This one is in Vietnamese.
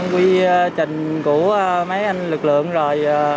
quy trình của mấy anh lực lượng rồi